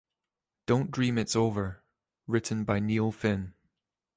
"Don't Dream It's Over" written by Neil Finn.